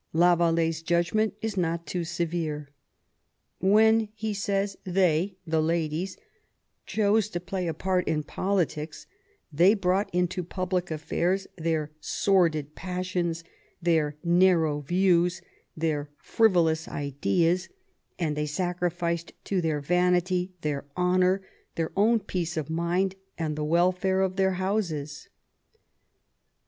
Lavall^e's judgment is not too severe. " When," he says, " they " (the ladies) "chose to play a part in politics, they brought into public affairs their sordid passions, their narrow views, their frivolous ideas, and they sacrificed to their vanity their honour, their own peace of mind, and the welfare of their houses."